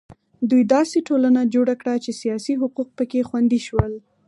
دوی داسې ټولنه جوړه کړه چې سیاسي حقوق په کې خوندي شول.